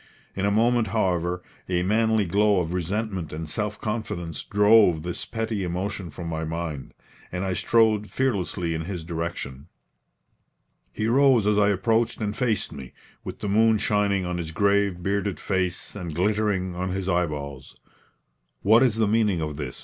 In a moment, however, a manly glow of resentment and self confidence drove this petty emotion from my mind, and I strode fearlessly in his direction. He rose as I approached and faced me, with the moon shining on his grave, bearded face and glittering on his eyeballs. "What is the meaning of this?"